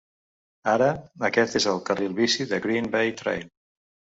Ara, aquest és el carril bici de Green Bay Trail.